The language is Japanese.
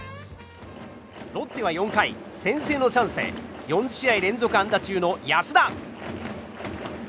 ロッテは４回先制のチャンスで４試合連続安打中の安田。